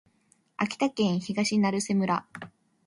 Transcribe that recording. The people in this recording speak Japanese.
秋田県東成瀬村